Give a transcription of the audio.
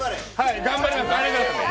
頑張ります。